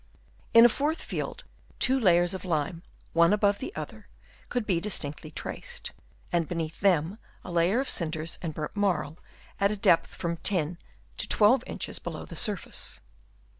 In a fourth field two layers of lime, one above the other, could be distinctly traced, and beneath them a layer of cinders and burnt marl at a depth of from 10 to 12 inches below the surface.